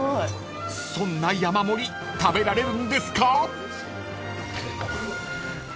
［そんな山盛り食べられるんですか？］